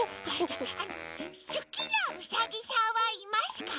すきなウサギさんはいますか？